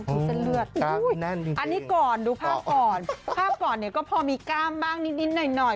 เส้นเลือดอันนี้ก่อนดูภาพก่อนภาพก่อนเนี่ยก็พอมีกล้ามบ้างนิดหน่อย